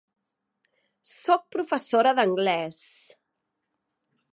Soc professora d'anglès.